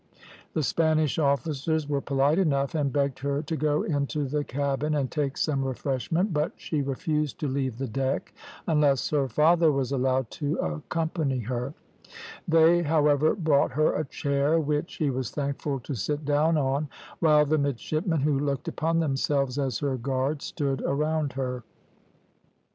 "The Spanish officers were polite enough, and begged her to go into the cabin and take some refreshment, but she refused to leave the deck unless her father was allowed to accompany her; they, however, brought her a chair which she was thankful to sit down on, while the midshipmen, who looked upon themselves as her guard, stood around her.